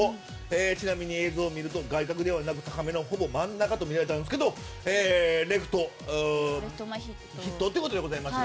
ちなみに映像を見ると外角ではなく高めのほぼ真ん中とみられたんですけどレフト前ヒットということでございました。